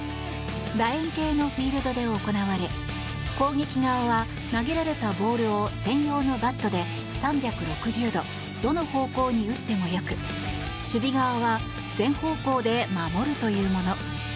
楕円形のフィールドで行われ攻撃側は投げられたボールを専用のバットで３６０度どの方向に打ってもよく守備側は全方向で守るというもの。